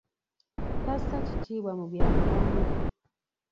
Tassa kitiibwa mu byabuwangwa.